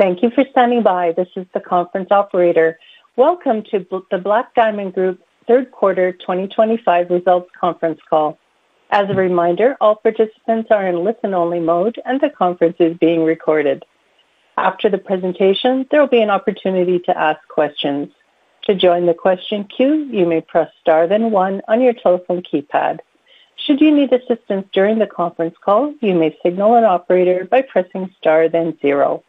Thank you for standing by. This is the conference operator. Welcome to the Black Diamond Group Third Quarter 2025 Results Conference Call. As a reminder, all participants are in listen-only mode, and the conference is being recorded. After the presentation, there will be an opportunity to ask questions. To join the question queue, you may press star then one on your telephone keypad. Should you need assistance during the conference call, you may signal an operator by pressing star then zero.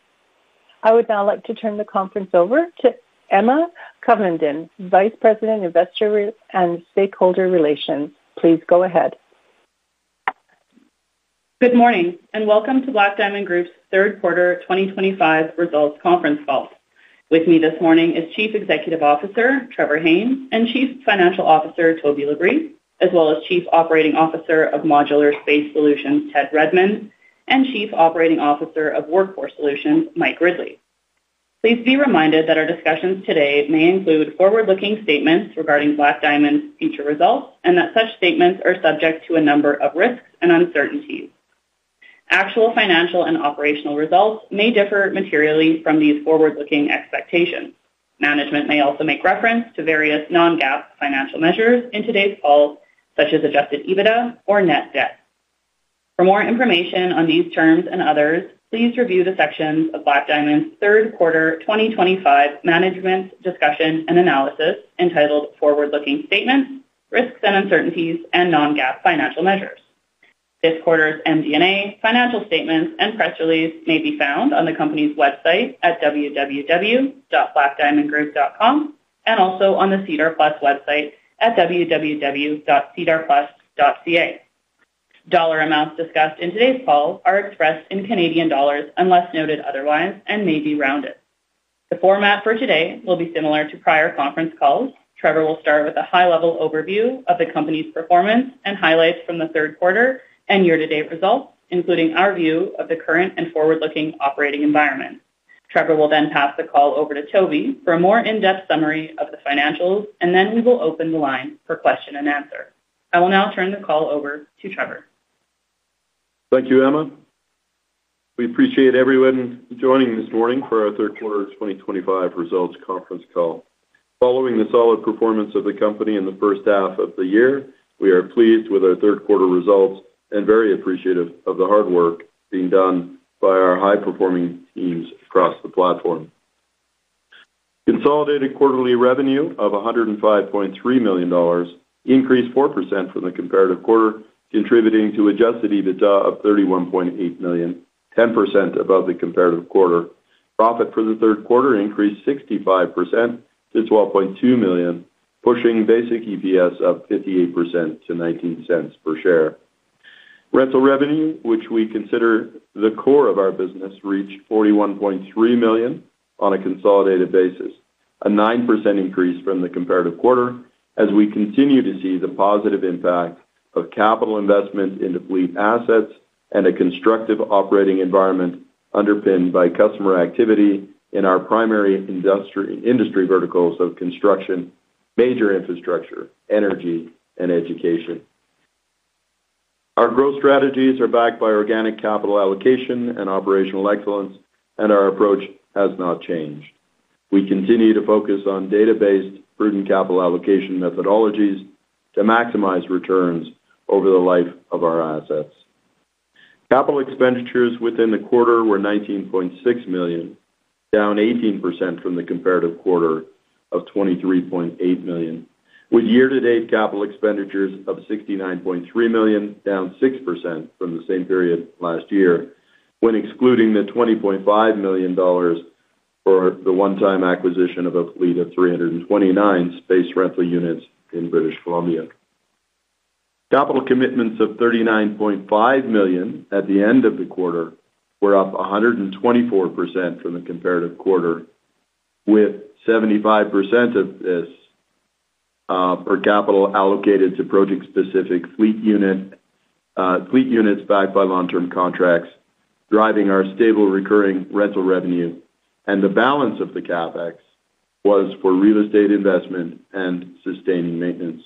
I would now like to turn the conference over to Emma Covenden, Vice President, Investor and Stakeholder Relations. Please go ahead. Good morning and welcome to Black Diamond Group's Third Quarter 2025 Results Conference Call. With me this morning is Chief Executive Officer Trevor Haynes and Chief Financial Officer Toby Labrie, as well as Chief Operating Officer of Modular Space Solutions, Ted Redmond, and Chief Operating Officer of Workforce Solutions, Mike Ridley. Please be reminded that our discussions today may include forward-looking statements regarding Black Diamond's future results and that such statements are subject to a number of risks and uncertainties. Actual financial and operational results may differ materially from these forward-looking expectations. Management may also make reference to various non-GAAP financial measures in today's call, such as adjusted EBITDA or net debt. For more information on these terms and others, please review the sections of Black Diamond's third quarter 2025 management discussion and analysis entitled Forward-Looking Statements, Risks and Uncertainties, and Non-GAAP Financial Measures. This quarter's MD&A financial statements and press release may be found on the company's website at www.blackdiamondgroup.com and also on the SEDAR+ website at www.sedarplus.ca. Dollar amounts discussed in today's call are expressed in Canadian dollars unless noted otherwise and may be rounded. The format for today will be similar to prior conference calls. Trevor will start with a high-level overview of the company's performance and highlights from the third quarter and year-to-date results, including our view of the current and forward-looking operating environment. Trevor will then pass the call over to Toby for a more in-depth summary of the financials, and then we will open the line for question and answer. I will now turn the call over to Trevor. Thank you, Emma. We appreciate everyone joining this morning for our third quarter 2025 results conference call. Following the solid performance of the company in the first half of the year, we are pleased with our third quarter results and very appreciative of the hard work being done by our high-performing teams across the platform. Consolidated quarterly revenue of $105.3 million increased 4% from the comparative quarter, contributing to adjusted EBITDA of $31.8 million, 10% above the comparative quarter. Profit for the third quarter increased 65% to $12.2 million, pushing basic EPS up 58% to $0.19 per share. Rental revenue, which we consider the core of our business, reached $41.3 million on a consolidated basis, a 9% increase from the comparative quarter, as we continue to see the positive impact of capital investment into fleet assets and a constructive operating environment underpinned by customer activity in our primary industry verticals of construction, major infrastructure, energy, and education. Our growth strategies are backed by organic capital allocation and operational excellence, and our approach has not changed. We continue to focus on data-based prudent capital allocation methodologies to maximize returns over the life of our assets. Capital expenditures within the quarter were $19.6 million, down 18% from the comparative quarter of $23.8 million, with year-to-date capital expenditures of $69.3 million, down 6% from the same period last year, when excluding the $20.5 million for the one-time acquisition of a fleet of 329 space rental units in British Columbia. Capital commitments of $39.5 million at the end of the quarter were up 124% from the comparative quarter, with 75% of this capital allocated to project-specific fleet units backed by long-term contracts, driving our stable recurring rental revenue. The balance of the CapEx was for real estate investment and sustaining maintenance.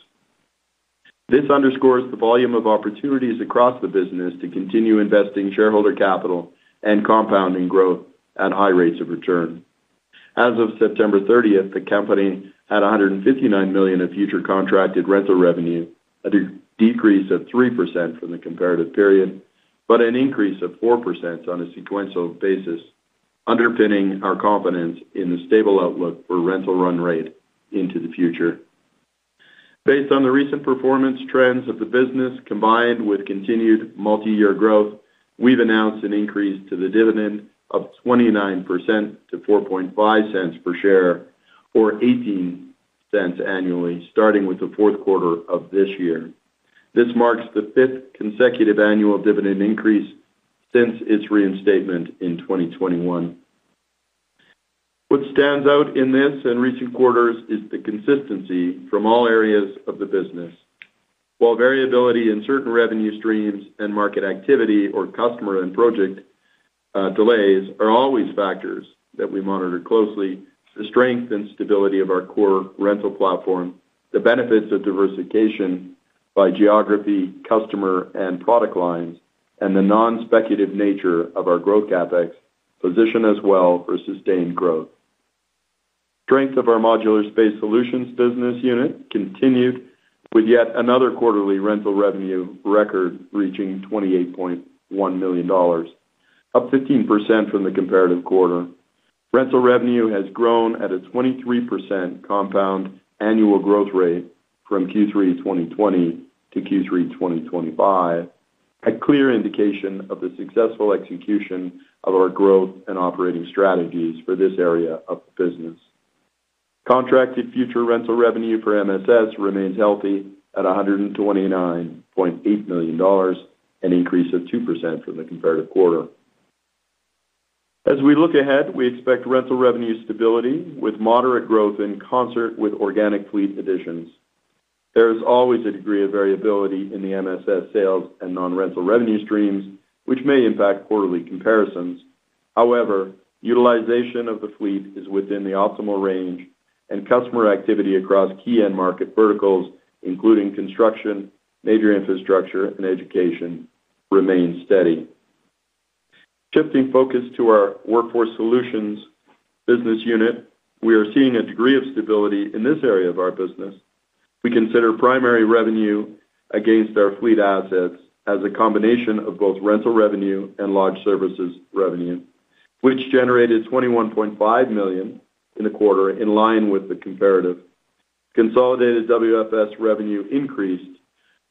This underscores the volume of opportunities across the business to continue investing shareholder capital and compounding growth at high rates of return. As of September 30th, the company had $159 million of future contracted rental revenue, a decrease of 3% from the comparative period, but an increase of 4% on a sequential basis, underpinning our confidence in the stable outlook for rental run rate into the future. Based on the recent performance trends of the business combined with continued multi-year growth, we've announced an increase to the dividend of 29% to $0.45 per share, or $0.18 annually, starting with the fourth quarter of this year. This marks the fifth consecutive annual dividend increase since its reinstatement in 2021. What stands out in this and recent quarters is the consistency from all areas of the business. While variability in certain revenue streams and market activity, or customer and project delays, are always factors that we monitor closely, the strength and stability of our core rental platform, the benefits of diversification by geography, customer, and product lines, and the non-speculative nature of our growth CapEx position us well for sustained growth. Strength of our Modular Space Solutions business unit continued with yet another quarterly rental revenue record reaching $28.1 million, up 15% from the comparative quarter. Rental revenue has grown at a 23% compound annual growth rate from Q3 2020 to Q3 2025, a clear indication of the successful execution of our growth and operating strategies for this area of the business. Contracted future rental revenue for MSS remains healthy at $129.8 million and an increase of 2% from the comparative quarter. As we look ahead, we expect rental revenue stability with moderate growth in concert with organic fleet additions. There is always a degree of variability in the MSS sales and non-rental revenue streams, which may impact quarterly comparisons. However, utilization of the fleet is within the optimal range, and customer activity across key end market verticals, including construction, major infrastructure, and education, remains steady. Shifting focus to our Workforce Solutions business unit, we are seeing a degree of stability in this area of our business. We consider primary revenue against our fleet assets as a combination of both rental revenue and lodge services revenue, which generated $21.5 million in the quarter, in line with the comparative. Consolidated WFS revenue increased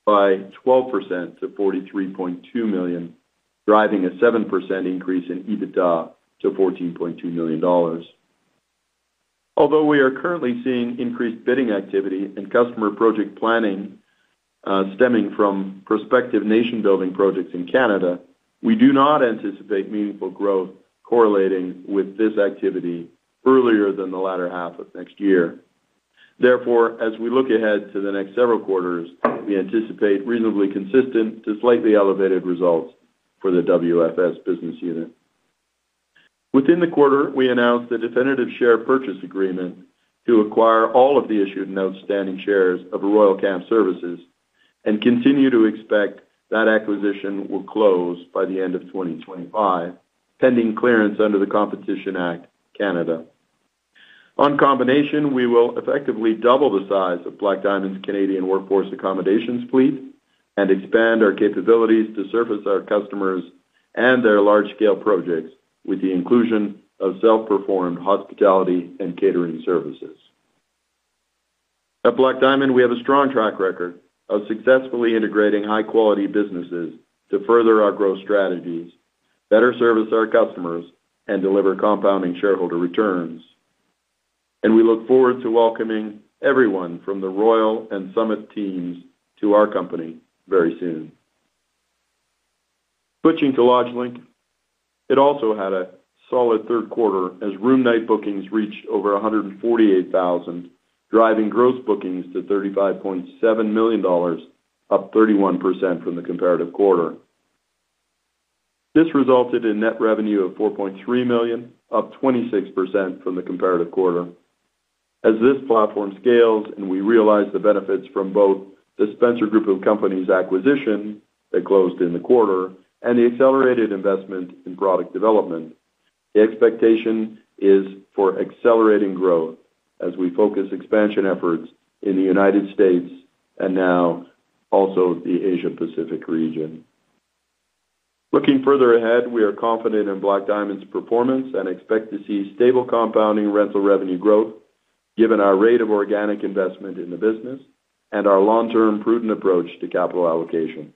by 12% to $43.2 million, driving a 7% increase in EBITDA to $14.2 million. Although we are currently seeing increased bidding activity and customer project planning stemming from prospective nation-building projects in Canada, we do not anticipate meaningful growth correlating with this activity earlier than the latter half of next year. Therefore, as we look ahead to the next several quarters, we anticipate reasonably consistent to slightly elevated results for the WFS business unit. Within the quarter, we announced the definitive share purchase agreement to acquire all of the issued and outstanding shares of Royal Camp Services and continue to expect that acquisition will close by the end of 2025, pending clearance under the Competition Act, Canada. On combination, we will effectively double the size of Black Diamond's Canadian Workforce Accommodations fleet and expand our capabilities to service our customers and their large-scale projects with the inclusion of self-performed hospitality and catering services. At Black Diamond, we have a strong track record of successfully integrating high-quality businesses to further our growth strategies, better service our customers, and deliver compounding shareholder returns. We look forward to welcoming everyone from the Royal and Summit teams to our company very soon. Switching to LodgeLink, it also had a solid third quarter as room night bookings reached over 148,000, driving gross bookings to $35.7 million, up 31% from the comparative quarter. This resulted in net revenue of $4.3 million, up 26% from the comparative quarter. As this platform scales and we realize the benefits from both the Spencer Group of Companies acquisition that closed in the quarter and the accelerated investment in product development, the expectation is for accelerating growth as we focus expansion efforts in the United States and now also the Asia-Pacific region. Looking further ahead, we are confident in Black Diamond's performance and expect to see stable compounding rental revenue growth, given our rate of organic investment in the business and our long-term prudent approach to capital allocation.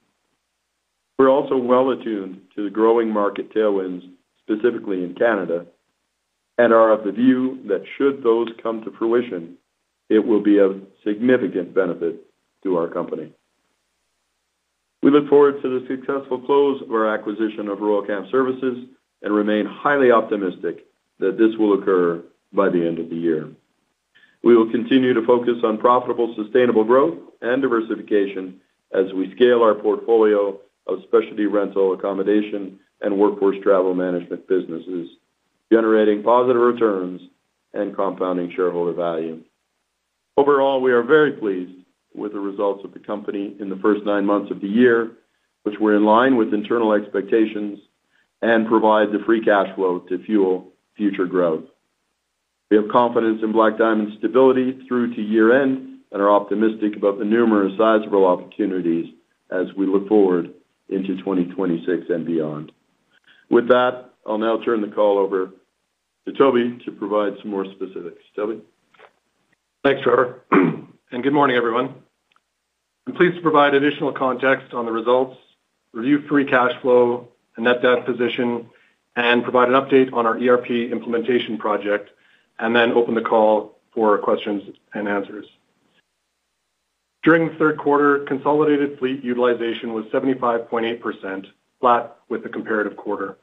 We are also well attuned to the growing market tailwinds, specifically in Canada, and are of the view that should those come to fruition, it will be of significant benefit to our company. We look forward to the successful close of our acquisition of Royal Camp Services and remain highly optimistic that this will occur by the end of the year. We will continue to focus on profitable, sustainable growth and diversification as we scale our portfolio of specialty rental accommodation and workforce travel management businesses, generating positive returns and compounding shareholder value. Overall, we are very pleased with the results of the company in the first nine months of the year, which were in line with internal expectations and provide the free cash flow to fuel future growth. We have confidence in Black Diamond's stability through to year-end and are optimistic about the numerous sizable opportunities as we look forward into 2026 and beyond. With that, I'll now turn the call over to Toby to provide some more specifics. Toby. Thanks, Trevor. Good morning, everyone. I'm pleased to provide additional context on the results, review free cash flow and net debt position, and provide an update on our ERP implementation project, then open the call for questions and answers. During the third quarter, consolidated fleet utilization was 75.8%, flat with the comparative quarter.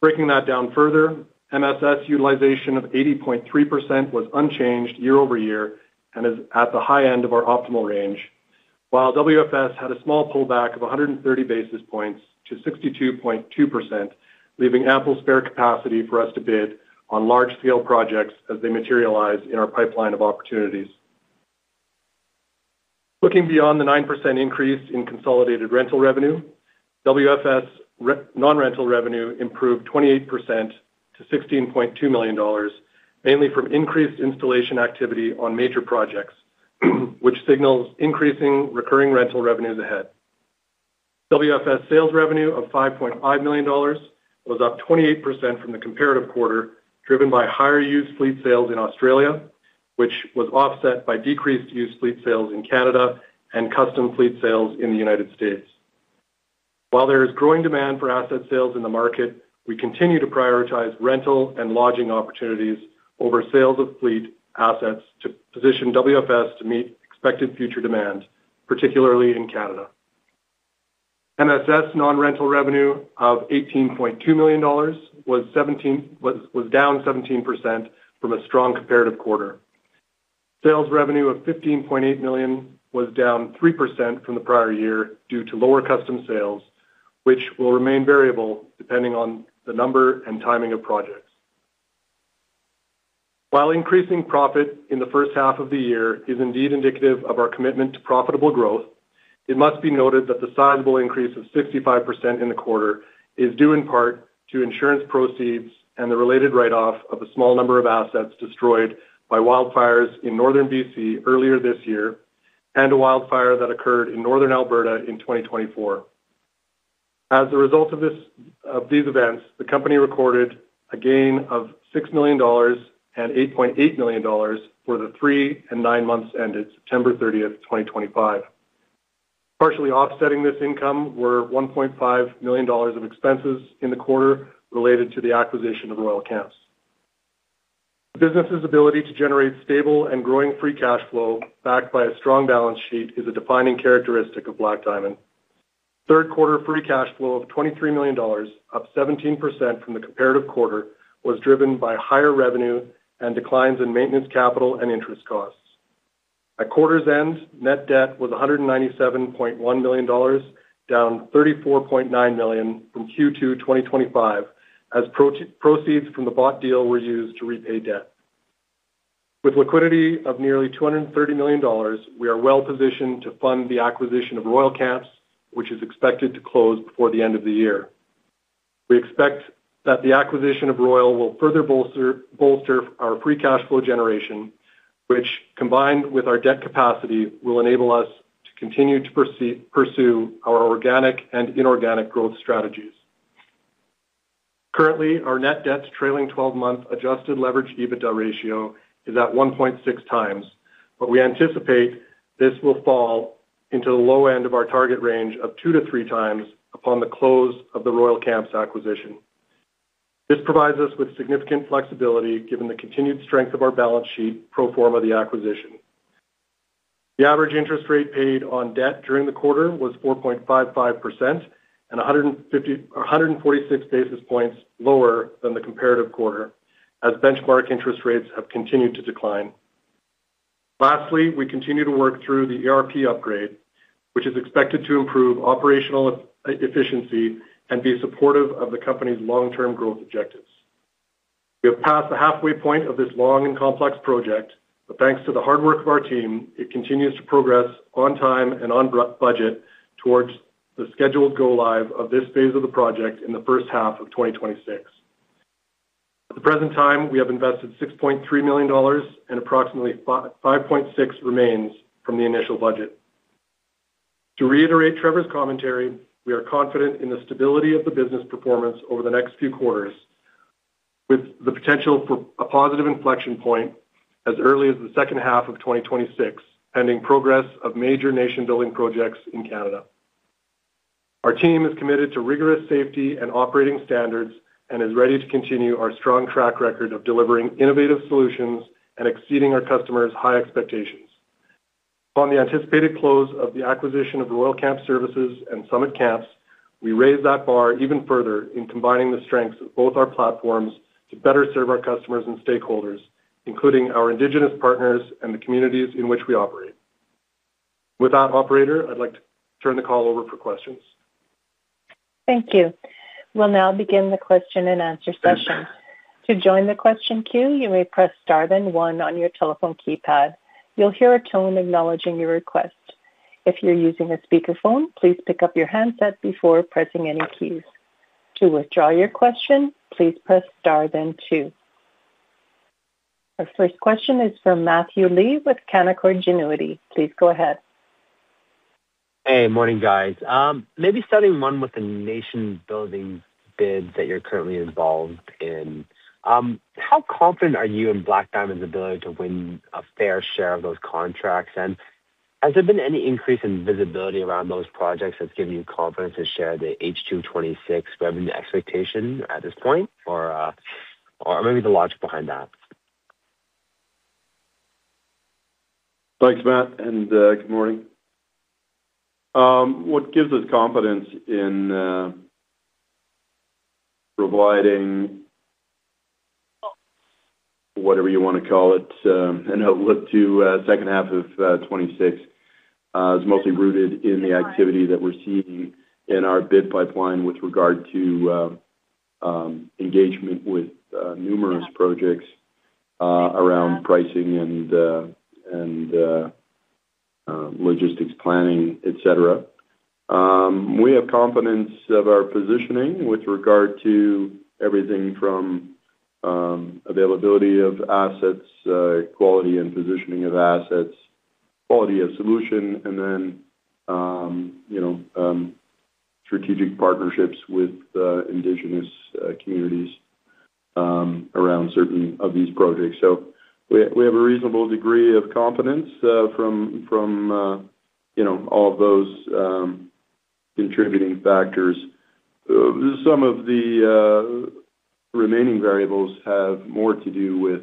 Breaking that down further, MSS utilization of 80.3% was unchanged year-over-year and is at the high end of our optimal range, while WFS had a small pullback of 130 basis points to 62.2%, leaving ample spare capacity for us to bid on large-scale projects as they materialize in our pipeline of opportunities. Looking beyond the 9% increase in consolidated rental revenue, WFS non-rental revenue improved 28% to $16.2 million, mainly from increased installation activity on major projects, which signals increasing recurring rental revenues ahead. WFS sales revenue of $5.5 million was up 28% from the comparative quarter, driven by higher used fleet sales in Australia, which was offset by decreased used fleet sales in Canada and custom fleet sales in the United States. While there is growing demand for asset sales in the market, we continue to prioritize rental and lodging opportunities over sales of fleet assets to position WFS to meet expected future demand, particularly in Canada. MSS non-rental revenue of $18.2 million was down 17% from a strong comparative quarter. Sales revenue of $15.8 million was down 3% from the prior year due to lower custom sales, which will remain variable depending on the number and timing of projects. While increasing profit in the first half of the year is indeed indicative of our commitment to profitable growth, it must be noted that the sizable increase of 65% in the quarter is due in part to insurance proceeds and the related write-off of a small number of assets destroyed by wildfires in Northern B.C. earlier this year and a wildfire that occurred in Northern Alberta in 2024. As a result of these events, the company recorded a gain of $6 million and $8.8 million for the three and nine months ended September 30th, 2025. Partially offsetting this income were $1.5 million of expenses in the quarter related to the acquisition of Royal Camp. The business's ability to generate stable and growing free cash flow backed by a strong balance sheet is a defining characteristic of Black Diamond. Third quarter free cash flow of $23 million, up 17% from the comparative quarter, was driven by higher revenue and declines in maintenance capital and interest costs. At quarter's end, net debt was $197.1 million, down $34.9 million from Q2 2025, as proceeds from the bought deal were used to repay debt. With liquidity of nearly $230 million, we are well positioned to fund the acquisition of Royal Camp, which is expected to close before the end of the year. We expect that the acquisition of Royal will further bolster our free cash flow generation, which, combined with our debt capacity, will enable us to continue to pursue our organic and inorganic growth strategies. Currently, our net debt trailing 12-month adjusted EBITDA leverage ratio is at 1.6x, but we anticipate this will fall into the low end of our target range of 2x-3x upon the close of the Royal Camp acquisition. This provides us with significant flexibility given the continued strength of our balance sheet pro forma of the acquisition. The average interest rate paid on debt during the quarter was 4.55%, 146 basis points lower than the comparative quarter, as benchmark interest rates have continued to decline. Lastly, we continue to work through the ERP upgrade, which is expected to improve operational efficiency and be supportive of the company's long-term growth objectives. We have passed the halfway point of this long and complex project, but thanks to the hard work of our team, it continues to progress on time and on budget towards the scheduled go-live of this phase of the project in the first half of 2026. At the present time, we have invested $6.3 million and approximately $5.6 million remains from the initial budget. To reiterate Trevor's commentary, we are confident in the stability of the business performance over the next few quarters, with the potential for a positive inflection point as early as the second half of 2026, pending progress of major nation-building projects in Canada. Our team is committed to rigorous safety and operating standards and is ready to continue our strong track record of delivering innovative solutions and exceeding our customers' high expectations. Upon the anticipated close of the acquisition of Royal Camp Services and Summit Camps, we raise that bar even further in combining the strengths of both our platforms to better serve our customers and stakeholders, including our Indigenous partners and the communities in which we operate. With that, Operator, I'd like to turn the call over for questions. Thank you. We'll now begin the question-and-answer session. To join the question queue, you may press star then one on your telephone keypad. You'll hear a tone acknowledging your request. If you're using a speakerphone, please pick up your handset before pressing any keys. To withdraw your question, please press star then two. Our first question is for Matthew Lee with Canaccord Genuity. Please go ahead. Hey, morning, guys. Maybe starting with the nation-building bids that you're currently involved in. How confident are you in Black Diamond's ability to win a fair share of those contracts? Has there been any increase in visibility around those projects that's given you confidence to share the H2 2026 revenue expectation at this point, or maybe the logic behind that? Thanks, Matt. Good morning. What gives us confidence in providing, whatever you want to call it, an outlook to the second half of 2026? It's mostly rooted in the activity that we're seeing in our bid pipeline with regard to engagement with numerous projects around pricing and logistics etc. We have confidence in our positioning with regard to everything from availability of assets, quality and positioning of assets, quality of solution, and then strategic partnerships with indigenous communities around certain of these projects. We have a reasonable degree of confidence from all of those contributing factors. Some of the remaining variables have more to do with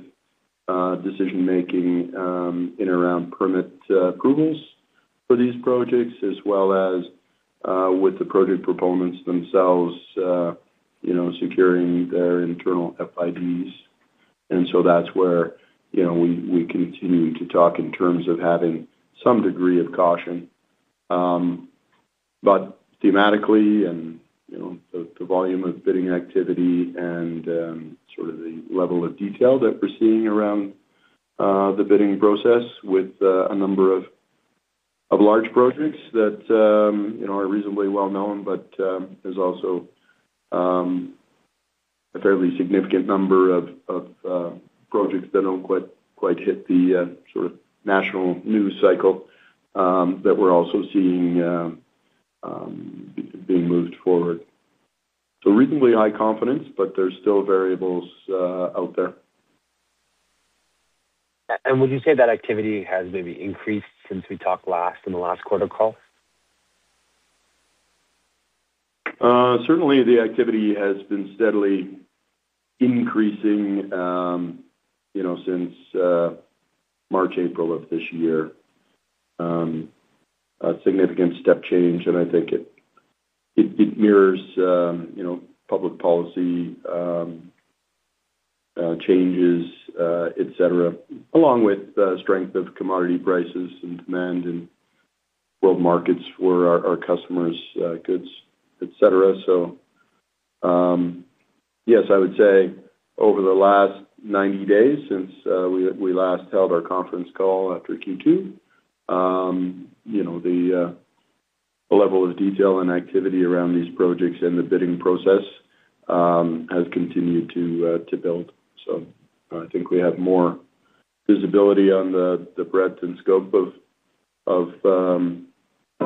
decision-making in and around permit approvals for these projects, as well as with the project proponents themselves securing their internal FIDs. That's where we continue to talk in terms of having some degree of caution. Thematically, the volume of bidding activity and the level of detail that we're seeing around the bidding process with a number of large projects that are reasonably well-known, but there's also a fairly significant number of projects that don't quite hit the national news cycle that we're also seeing being moved forward. Reasonably high confidence, but there's still variables out there. Would you say that activity has maybe increased since we talked last in the last quarter call? Certainly, the activity has been steadily increasing since March, April of this year. A significant step change, and I think it mirrors public policy etc, along with the strength of commodity prices and demand in world markets for our customers' etc. Yes, I would say over the last 90 days since we last held our conference call after Q2, the level of detail and activity around these projects and the bidding process has continued to build. I think we have more visibility on the breadth and scope of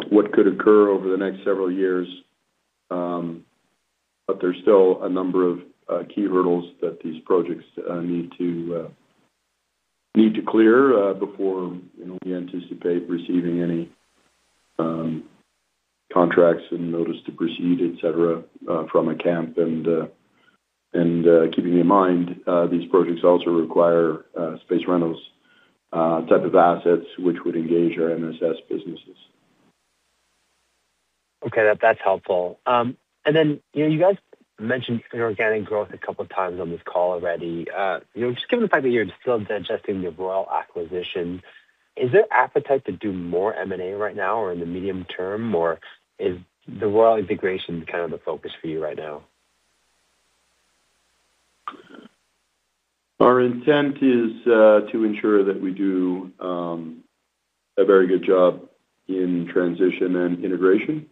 what could occur over the next several years. There's still a number of key hurdles that these projects need to clear before we anticipate receiving any contracts and notice to proceed, etc., from a camp. Keeping in mind these projects also require space rentals type of assets, which would engage our MSS businesses. Okay. That's helpful. You guys mentioned inorganic growth a couple of times on this call already. Given the fact that you're still digesting the Royal acquisition, is there appetite to do more M&A right now or in the medium term, or is the Royal integration kind of the focus for you right now? Our intent is to ensure that we do a very good job in transition and integration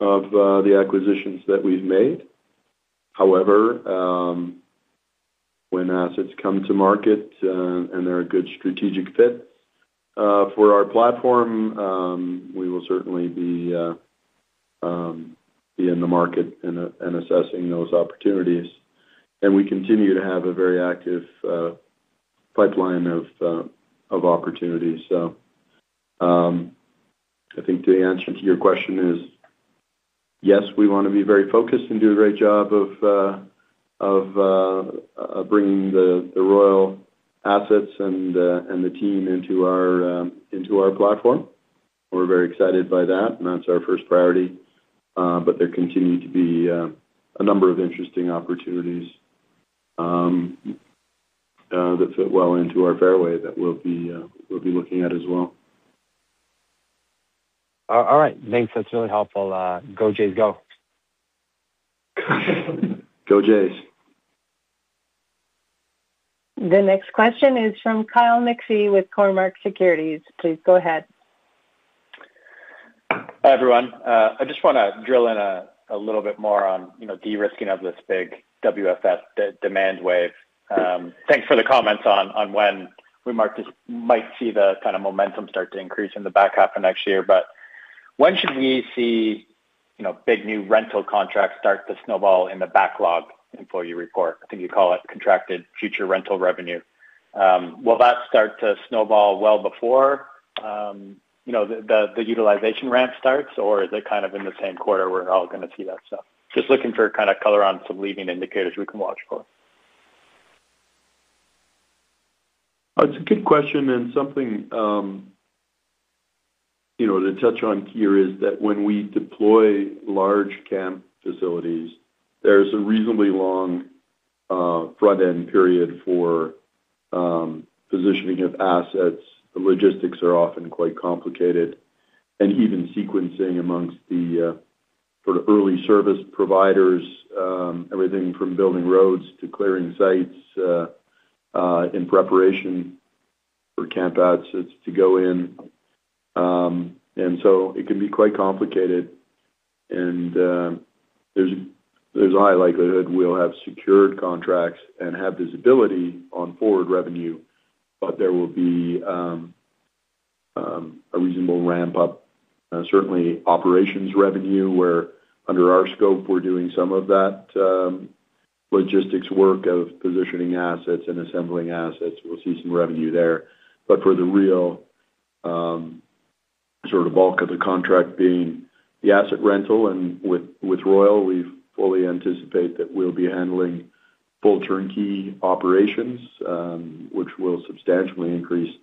of the acquisitions that we've made. However, when assets come to market and there are good strategic fits for our platform, we will certainly be in the market and assessing those opportunities. We continue to have a very active pipeline of opportunities. I think the answer to your question is yes, we want to be very focused and do a great job of bringing the Royal assets and the team into our platform. We're very excited by that, and that's our first priority. There continue to be a number of interesting opportunities that fit well into our fairway that we'll be looking at as well. All right. Thanks. That's really helpful. Go Jays, go. Go Jays. The next question is from Kyle McPhee with Cormark Securities. Please go ahead. Hi, everyone. I just want to drill in a little bit more on de-risking of this big WFS demand wave. Thanks for the comments on when we might see the kind of momentum start to increase in the back half of next year. When should we see big new rental contracts start to snowball in the backlog employee report? I think you call it contracted future rental revenue. Will that start to snowball well before the utilization ramp starts, or is it kind of in the same quarter we're all going to see that stuff? Just looking for kind of color on some leading indicators we can watch for. It's a good question. Something to touch on here is that when we deploy large camp facilities, there's a reasonably long front-end period for positioning of assets. The logistics are often quite complicated, and even sequencing amongst the sort of early service providers, everything from building roads to clearing sites in preparation for campouts to go in, can be quite complicated. There's a high likelihood we'll have secured contracts and have visibility on forward revenue, but there will be a reasonable ramp-up, certainly operations revenue, where under our scope, we're doing some of that logistics work of positioning assets and assembling assets. We'll see some revenue there, but for the real sort of bulk of the contract being the asset rental and with Royal, we fully anticipate that we'll be handling full turnkey operations, which will substantially increase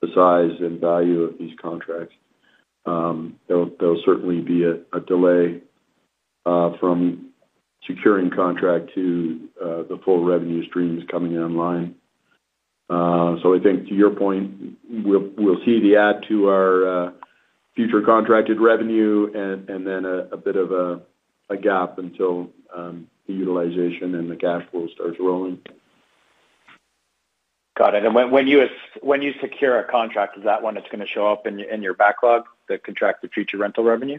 the size and value of these contracts. There'll certainly be a delay from securing contract to the full revenue streams coming online. I think, to your point, we'll see the add to our future contracted revenue and then a bit of a gap until the utilization and the cash flow starts rolling. Got it. When you secure a contract, is that one that's going to show up in your backlog, the contracted future rental revenue,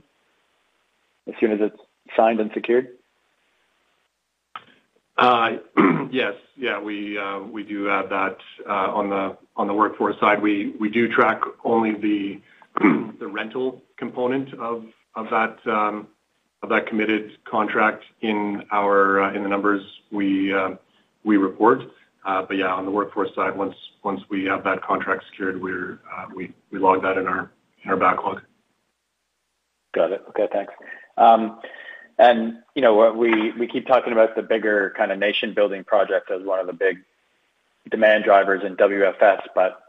as soon as it's signed and secured? Yes. We do have that on the workforce side. We do track only the rental component of that committed contract in the numbers we report. On the workforce side, once we have that contract secured, we log that in our backlog. Okay. Thanks. We keep talking about the bigger kind of nation-building project as one of the big demand drivers in WFS, but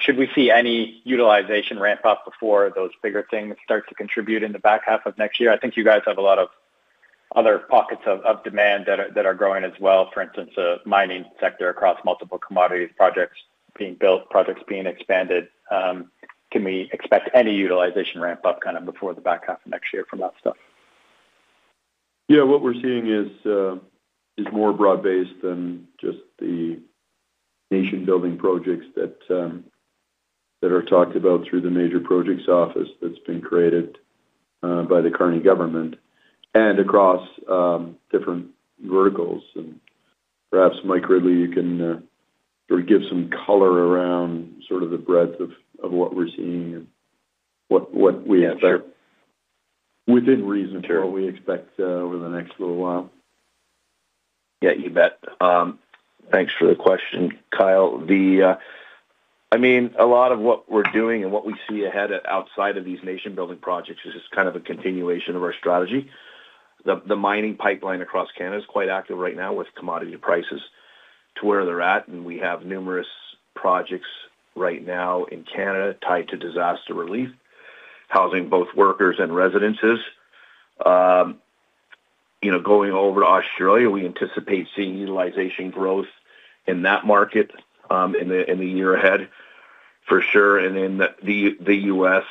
should we see any utilization ramp up before those bigger things start to contribute in the back half of next year? I think you guys have a lot of other pockets of demand that are growing as well. For instance, the mining sector across multiple commodities projects being built, projects being expanded. Can we expect any utilization ramp-up before the back half of next year for that stuff? Yeah. What we're seeing is more broad-based than just the nation-building projects that are talked about through the major projects office that's been created by the Kearney government, and across different verticals. Perhaps, Mike Ridley, you can sort of give some color around sort of the breadth of what we're seeing and what we expect. Sure. Within reason for what we expect over the next little while. Yeah. You bet. Thanks for the question, Kyle. I mean, a lot of what we're doing and what we see ahead outside of these nation-building projects is just kind of a continuation of our strategy. The mining pipeline across Canada is quite active right now with commodity prices to where they're at. We have numerous projects right now in Canada tied to disaster relief, housing both workers and residences. Going over to Australia, we anticipate seeing utilization growth in that market in the year ahead, for sure. In the U.S.,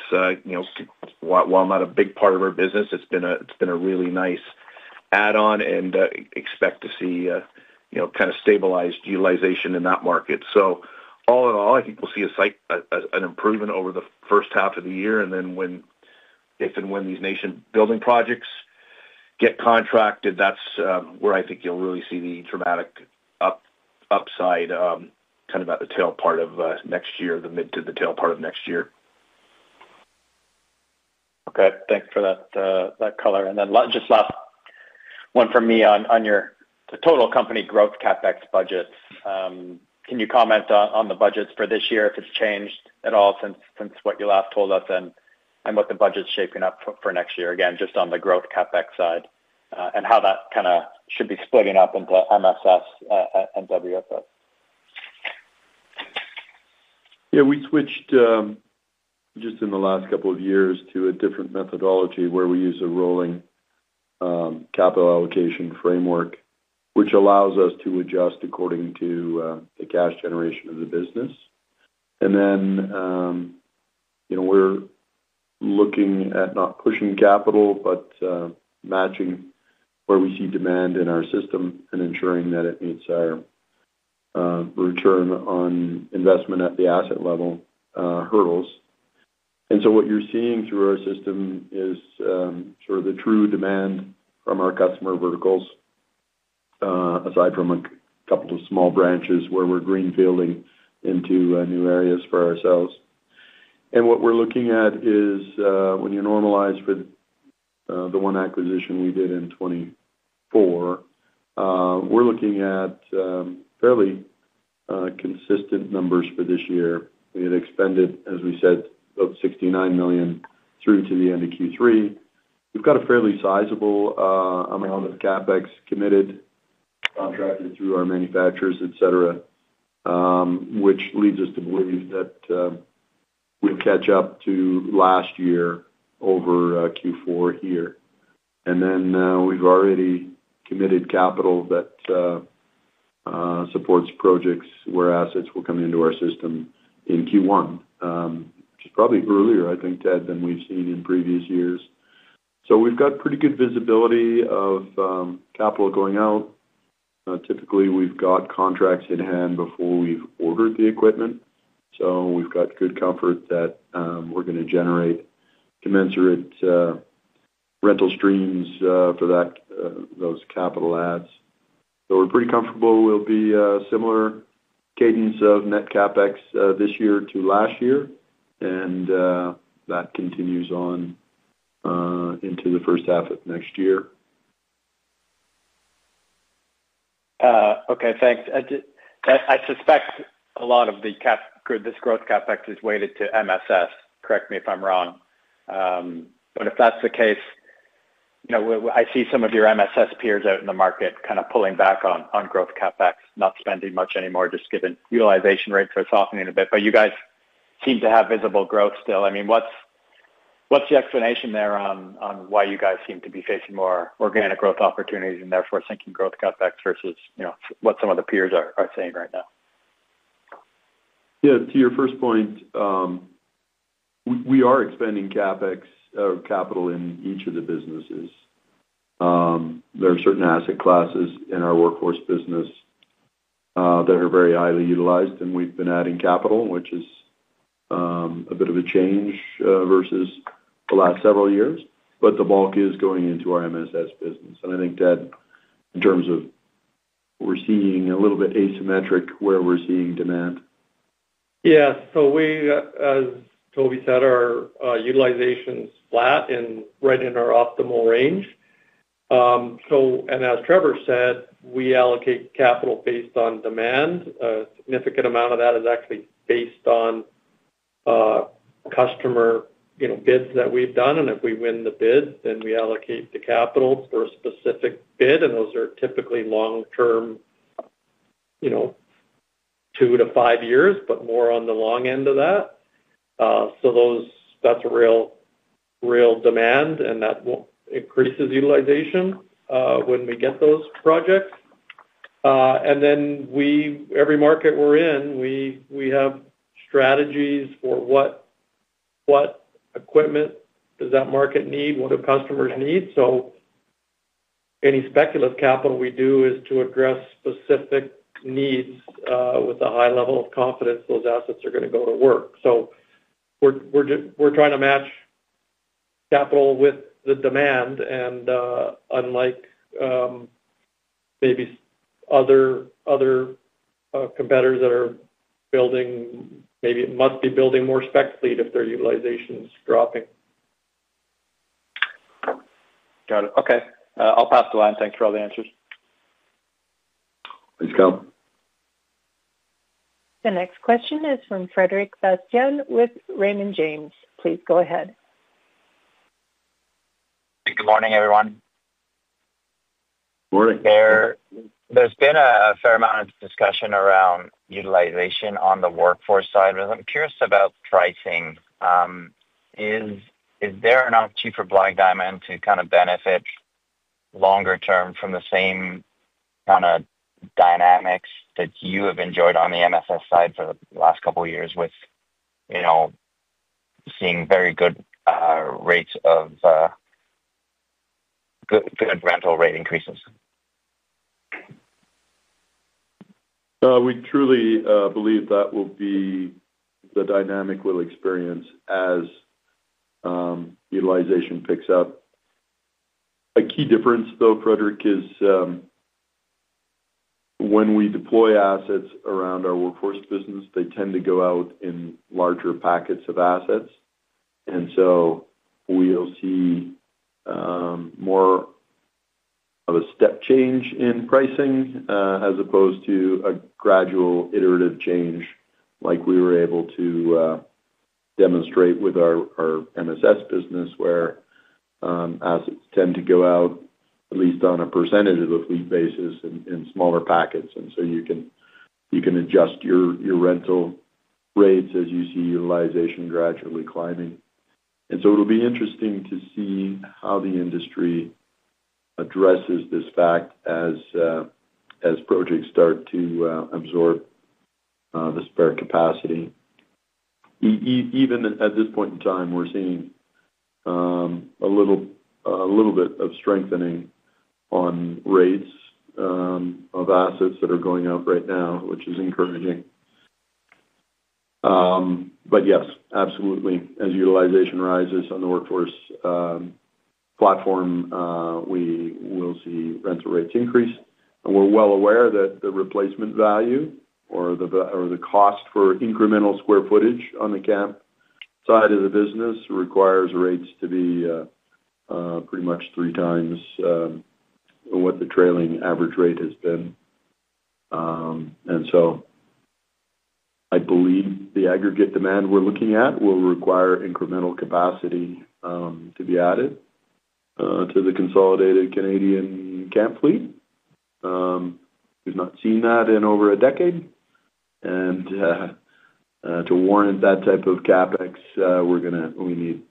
while not a big part of our business, it's been a really nice add-on and expect to see kind of stabilized utilization in that market. All in all, I think we'll see an improvement over the first half of the year. If and when these nation-building projects get contracted, that's where I think you'll really see the dramatic upside kind of at the tail part of next year, the mid to the tail part of next year. Okay. Thanks for that color. Just last one from me on your total company growth CapEx budgets. Can you comment on the budgets for this year, if it's changed at all since what you last told us, and what the budget's shaping up for next year? Again, just on the growth CapEx side and how that kind of should be splitting up into MSS and WFS. Yeah. We switched just in the last couple of years to a different methodology where we use a rolling capital allocation framework, which allows us to adjust according to the cash generation of the business. We're looking at not pushing capital, but matching where we see demand in our system and ensuring that it meets our return on investment at the asset level hurdles. What you're seeing through our system is sort of the true demand from our customer verticals, aside from a couple of small branches where we're greenfielding into new areas for ourselves. What we're looking at is when you normalize for the one acquisition we did in 2024, we're looking at fairly consistent numbers for this year. We had expended, as we said, about $69 million through to the end of Q3. We've got a fairly sizable amount of CapEx committed, contracted through our manufacturers, etc., which leads us to believe that we'll catch up to last year over Q4 here. We've already committed capital that supports projects where assets will come into our system in Q1, which is probably earlier, I think, Ted, than we've seen in previous years. We've got pretty good visibility of capital going out. Typically, we've got contracts in hand before we've ordered the equipment, so we've got good comfort that we're going to generate commensurate rental streams for those capital adds. We're pretty comfortable we'll be a similar cadence of net CapEx this year to last year. That continues on into the first half of next year. Okay. Thanks. I suspect a lot of this growth CapEx is weighted to MSS. Correct me if I'm wrong. If that's the case, I see some of your MSS peers out in the market kind of pulling back on growth CapEx, not spending much anymore, just given utilization rates are softening a bit. You guys seem to have visible growth still. What's the explanation there on why you guys seem to be facing more organic growth opportunities and therefore sinking growth CapEx versus what some of the peers are saying right now? Yeah. To your first point, we are expending CapEx or capital in each of the businesses. There are certain asset classes in our workforce business that are very highly utilized, and we've been adding capital, which is a bit of a change versus the last several years. The bulk is going into our MSS business. I think, Ted, in terms of, we're seeing a little bit asymmetric where we're seeing demand. Yeah. As Toby said, our utilization is flat and right in our optimal range. As Trevor said, we allocate capital based on demand. A significant amount of that is actually based on customer bids that we've done. If we win the bid, then we allocate the capital for a specific bid. Those are typically long-term, two to five years, but more on the long end of that. That's a real demand, and that increases utilization when we get those projects. In every market we're in, we have strategies for what equipment that market needs, what customers need. Any speculative capital we do is to address specific needs with a high level of confidence those assets are going to go to work. We're trying to match capital with the demand. Unlike maybe other competitors that are building, maybe must be building more spec fleet if their utilization is dropping. Got it. Okay, I'll pass the line. Thanks for all the answers. Please go. The next question is from Frederic Bastien with Raymond James. Please go ahead. Good morning, everyone. Good morning. There's been a fair amount of discussion around utilization on the workforce side. I'm curious about pricing. Is there enough cheaper Black Diamond to kind of benefit longer term from the same kind of dynamics that you have enjoyed on the MSS side for the last couple of years with seeing very good rates of good rental rate increases? We truly believe that will be the dynamic we'll experience as utilization picks up. A key difference, though, Frederic, is when we deploy assets around our workforce business, they tend to go out in larger packets of assets, and so we'll see more of a step change in pricing as opposed to a gradual iterative change like we were able to demonstrate with our MSS business, where assets tend to go out, at least on a percentage of the fleet basis, in smaller packets. You can adjust your rental rates as you see utilization gradually climbing. It'll be interesting to see how the industry addresses this fact as projects start to absorb the spare capacity. Even at this point in time, we're seeing a little bit of strengthening on rates of assets that are going out right now, which is encouraging. Yes, absolutely, as utilization rises on the Workforce platform, we will see rental rates increase. We're well aware that the replacement value or the cost for incremental square footage on the camp side of the business requires rates to be pretty much 3x what the trailing average rate has been. I believe the aggregate demand we're looking at will require incremental capacity to be added to the consolidated Canadian camp fleet. We've not seen that in over a decade. To warrant that type of CapEx, we need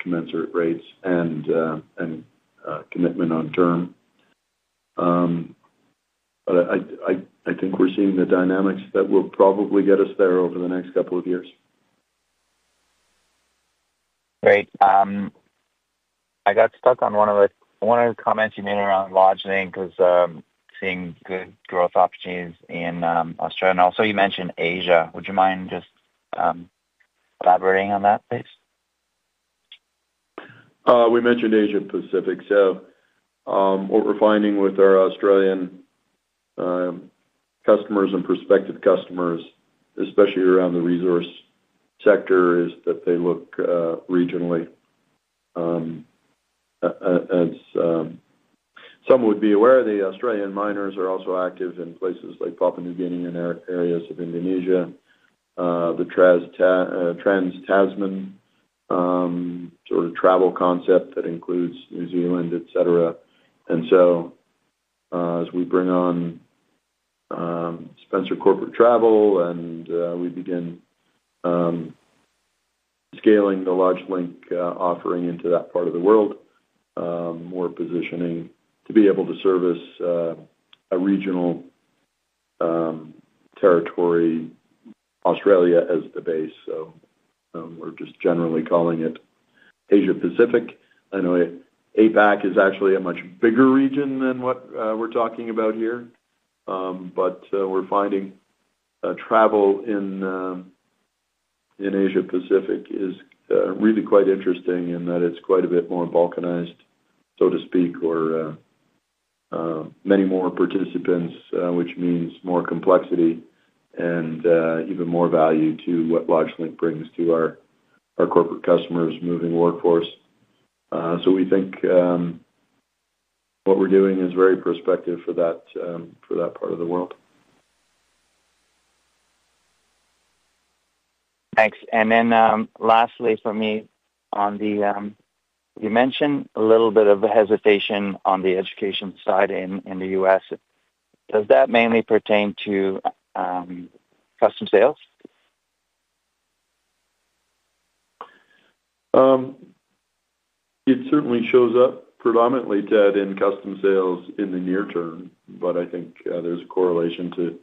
commensurate rates and commitment on term. I think we're seeing the dynamics that will probably get us there over the next couple of years. Great. I got stuck on one of the comments you made around lodging because seeing good growth opportunities in Australia. You also mentioned Asia. Would you mind just elaborating on that, please? We mentioned Asia-Pacific. What we're finding with our Australian customers and prospective customers, especially around the resource sector, is that they look regionally. Some would be aware, the Australian miners are also active in places like Papua New Guinea and areas of Indonesia. The Trans-Tasman sort of travel concept that includes New etc. As we bring on Spencer Corporate Travel and we begin scaling the LodgeLink offering into that part of the world, we're positioning to be able to service a regional territory, Australia as the base. We're just generally calling it Asia-Pacific. I know APAC is actually a much bigger region than what we're talking about here, but we're finding travel in Asia-Pacific is really quite interesting in that it's quite a bit more Balkanized, so to speak, or many more participants, which means more complexity and even more value to what LodgeLink brings to our corporate customers' moving workforce. We think what we're doing is very prospective for that part of the world. Thanks. Lastly, for me, you mentioned a little bit of hesitation on the education side in the U.S. Does that mainly pertain to custom sales? It certainly shows up predominantly, Ted, in custom sales in the near term. I think there's a correlation to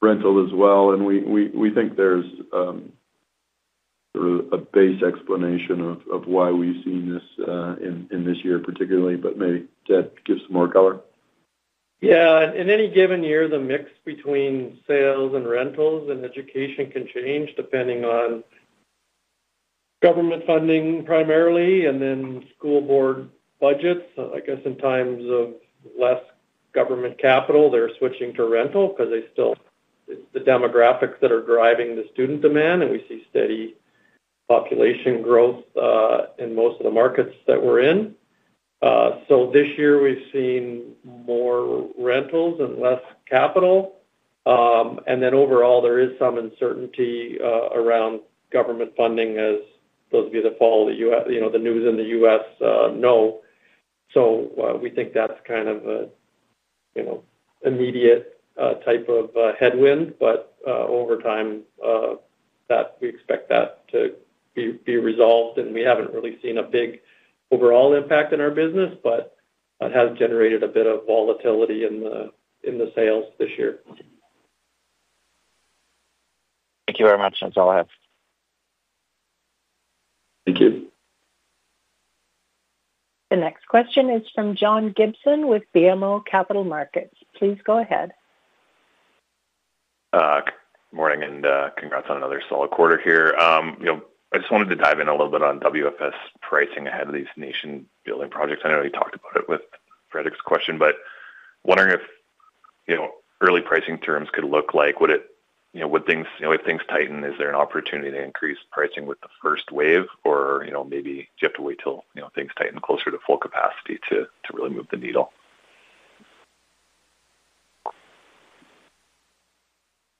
rental as well. We think there's sort of a base explanation of why we've seen this in this year particularly. Maybe, Ted, give some more color. Yeah. In any given year, the mix between sales and rentals and education can change depending on government funding primarily and then school board budgets. I guess in times of less government capital, they're switching to rental because it's the demographics that are driving the student demand. We see steady population growth in most of the markets that we're in. This year, we've seen more rentals and less capital. Overall, there is some uncertainty around government funding as those would be the fall that the news in the U.S. know. We think that's kind of an immediate type of headwind. Over time, we expect that to be resolved. We haven't really seen a big overall impact in our business, but it has generated a bit of volatility in the sales this year. Thank you very much. That's all I have. Thank you. The next question is from John Gibson with BMO Capital Markets. Please go ahead. Good morning and congrats on another solid quarter here. I just wanted to dive in a little bit on WFS pricing ahead of these nation-building projects. I know you talked about it with Frederic's question, but wondering if early pricing terms could look like. Would things tighten? Is there an opportunity to increase pricing with the first wave? Or maybe do you have to wait till things tighten closer to full capacity to really move the needle?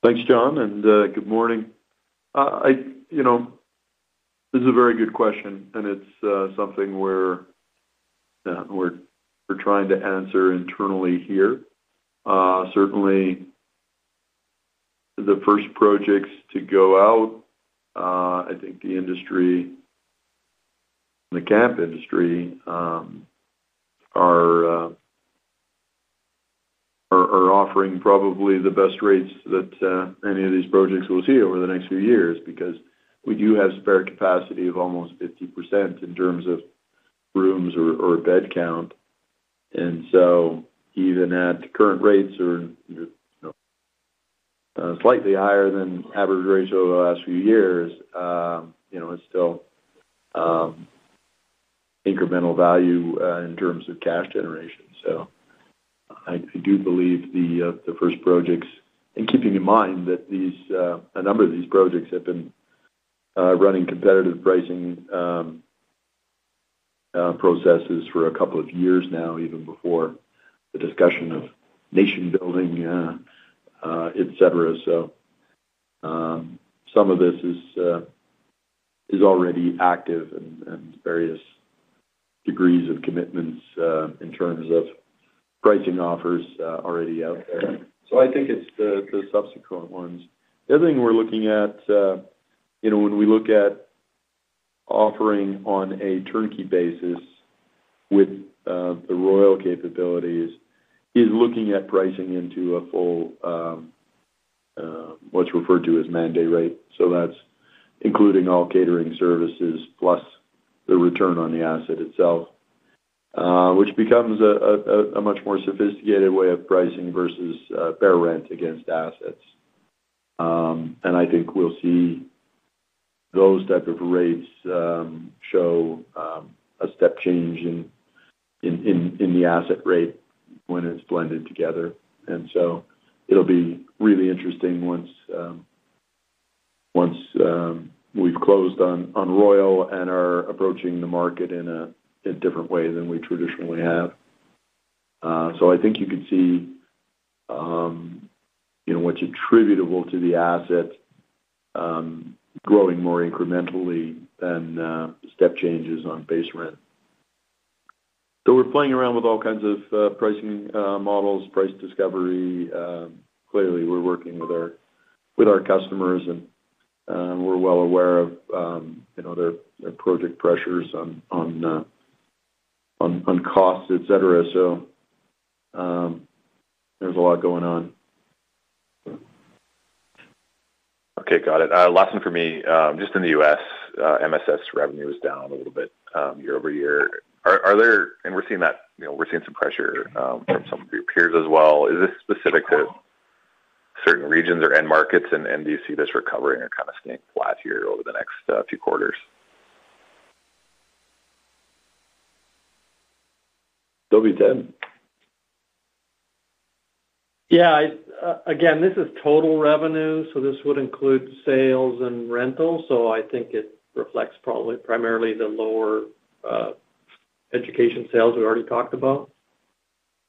Thanks, John. Good morning. This is a very good question, and it's something we're trying to answer internally here. Certainly, the first projects to go out, I think the industry, the camp industry, are offering probably the best rates that any of these projects will see over the next few years because we do have spare capacity of almost 50% in terms of rooms or bed count. Even at current rates or slightly higher than average ratio of the last few years, it's still incremental value in terms of cash generation. I do believe the first projects, and keeping in mind that a number of these projects have been running competitive pricing processes for a couple of years now, even before the discussion of nation-building, etc. Some of this is already active and various degrees of commitments in terms of pricing offers already out there. I think it's the subsequent ones. The other thing we're looking at when we look at offering on a turnkey basis with the Royal capabilities is looking at pricing into a full what's referred to as mandate rate. That's including all catering services plus the return on the asset itself, which becomes a much more sophisticated way of pricing versus fair rent against assets. I think we'll see those types of rates show a step change in the asset rate when it's blended together. It'll be really interesting once we've closed on Royal and are approaching the market in a different way than we traditionally have. I think you could see what's attributable to the asset growing more incrementally than step changes on base rent. We're playing around with all kinds of pricing models, price discovery. Clearly, we're working with our customers, and we're well aware of their project pressures on costs, etc. There's a lot going on. Okay. Got it. Last one for me. Just in the U.S., MSS revenue is down a little bit year-over-year. We're seeing some pressure from some of your peers as well. Is this specific to certain regions or end markets? Do you see this recovering or kind of staying flat here over the next few quarters? That'll be Ted. Yeah, again, this is total revenue. This would include sales and rentals. I think it reflects probably primarily the lower education sales we already talked about.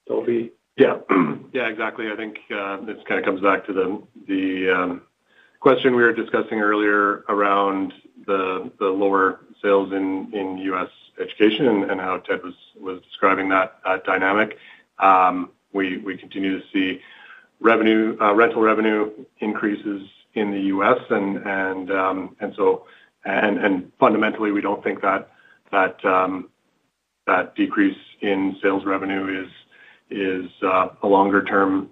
Toby. Yeah. Exactly. I think this kind of comes back to the question we were discussing earlier around the lower sales in U.S. education and how Ted was describing that dynamic. We continue to see rental revenue increases in the U.S., and fundamentally, we don't think that decrease in sales revenue is a longer-term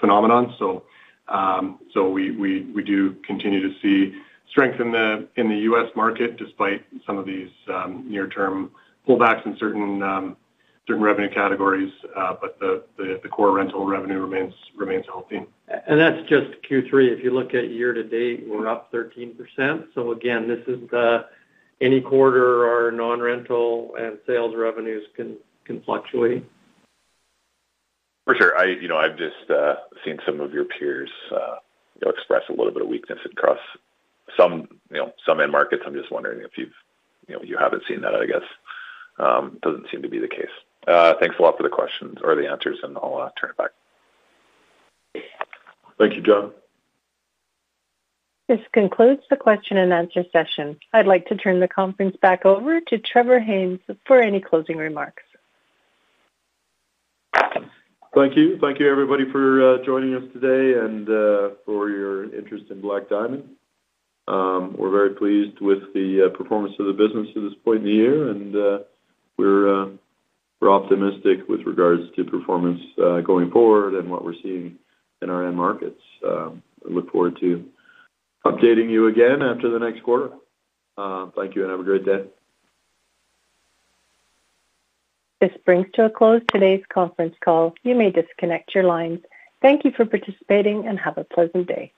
phenomenon. We do continue to see strength in the U.S. market despite some of these near-term pullbacks in certain revenue categories. The core rental revenue remains healthy. That's just Q3. If you look at year-to-date, we're up 13%. This is the any quarter our non-rental and sales revenues can fluctuate. For sure. I've just seen some of your peers express a little bit of weakness across some end markets. I'm just wondering if you haven't seen that, I guess. Doesn't seem to be the case. Thanks a lot for the questions or the answers, and I'll turn it back. Thank you, John. This concludes the question-and-answer session. I'd like to turn the conference back over to Trevor Haynes for any closing remarks. Thank you. Thank you, everybody, for joining us today and for your interest in Black Diamond. We're very pleased with the performance of the business at this point in the year. We're optimistic with regards to performance going forward and what we're seeing in our end markets. I look forward to updating you again after the next quarter. Thank you, and have a great day. This brings to a close today's conference call. You may disconnect your lines. Thank you for participating and have a pleasant day.